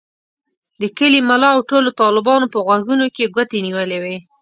د کلي ملا او ټولو طالبانو په غوږونو کې ګوتې نیولې وې.